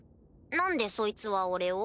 何でそいつは俺を？